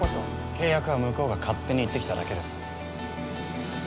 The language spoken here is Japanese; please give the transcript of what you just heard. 契約は向こうが勝手に言ってきただけです。